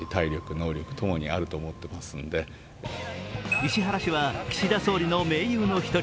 石原氏は岸田総理の盟友の一人。